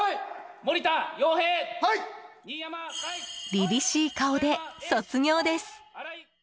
凛々しい顔で卒業です。